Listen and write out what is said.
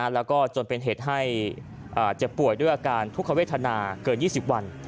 แล้วก็จนเป็นเหตุให้เจ็บป่วยด้วยอาการทุกขเวทนาเกิน๒๐วัน